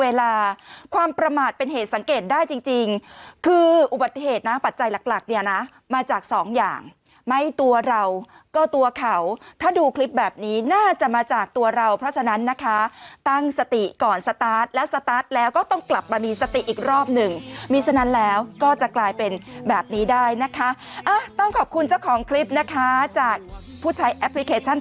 เวลาความประมาทเป็นเหตุสังเกตได้จริงจริงคืออุบัติเหตุนะปัจจัยหลักหลักเนี่ยนะมาจากสองอย่างไม่ตัวเราก็ตัวเขาถ้าดูคลิปแบบนี้น่าจะมาจากตัวเราเพราะฉะนั้นนะคะตั้งสติก่อนสตาร์ทแล้วสตาร์ทแล้วก็ต้องกลับมามีสติอีกรอบหนึ่งมีฉะนั้นแล้วก็จะกลายเป็นแบบนี้ได้นะคะต้องขอบคุณเจ้าของคลิปนะคะจากผู้ใช้แอปพลิเคชัน